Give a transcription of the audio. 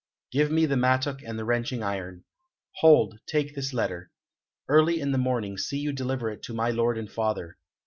"Give me the mattock and the wrenching iron. Hold, take this letter. Early in the morning see you deliver it to my lord and father.